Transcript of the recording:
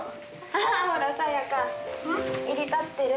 あっほらさやか襟立ってる。